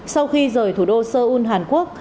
sau khi rời thủ đô seoul hàn quốc